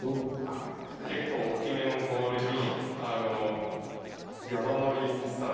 結構おっきめのボウルに山盛りにサラダ盛って。